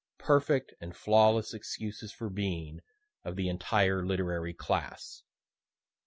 perfect and flawless excuses for being, of the entire literary class.